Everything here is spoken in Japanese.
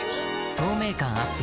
透明感アップ